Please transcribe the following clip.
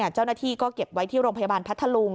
เจ้าหน้าที่ก็เก็บไว้ที่โรงพยาบาลพัทธลุง